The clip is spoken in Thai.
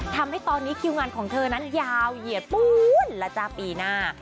ทำให้ตอนนี้คิวงานของเธอนั้นยาวเหยียดปูนแล้วจ้าปีหน้า